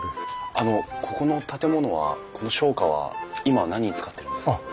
あのここの建物はこの商家は今は何に使ってるんですか？